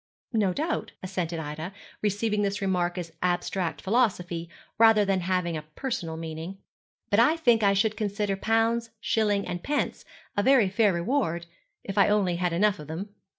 'No doubt,' assented Ida, receiving this remark as abstract philosophy, rather than as having a personal meaning. 'But I think I should consider pounds, shillings, and pence a very fair reward, if I only had enough of them.'